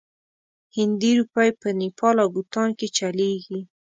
هندي روپۍ په نیپال او بوتان کې چلیږي.